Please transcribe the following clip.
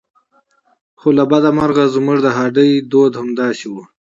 خو له بده مرغه زموږ د هډې فرهنګ همداسې و.